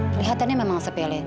kelihatannya memang sepele